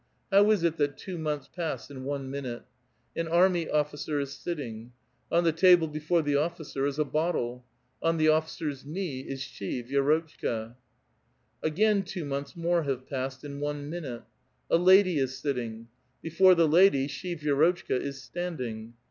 How is it that two months pass in one minute? An army officer is sittinyr. On the table before tlie officer is a bottle. On the officer's knees is she, Vi6 rotchka. Again two months more have passed in one minute. A lady is sitting. Before the lady she, Vi^rotchka, is standing.